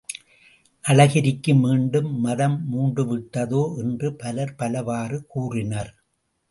நளகிரிக்கு மீண்டும் மதம் மூண்டு விட்டதோ? என்று பலர் பலவாறு கூறினர்.